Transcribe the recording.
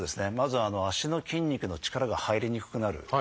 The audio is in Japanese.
まず足の筋肉の力が入りにくくなる。